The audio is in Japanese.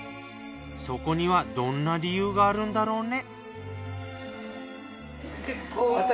そこにはどんな理由があるんだろうね。